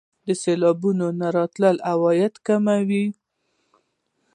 د سیلانیانو نه راتلل عواید کموي.